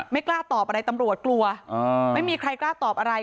ไม่กล้าตอบอะไรตำรวจกลัวไม่มีใครกล้าตอบอะไร